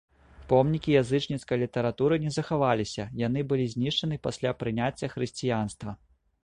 Помнікі язычніцкай літаратуры не захаваліся, яны былі знішчаны пасля прыняцця хрысціянства.